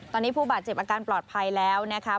ตอนนี้ผู้บาดเจ็บอาการปลอดภัยแล้วนะคะ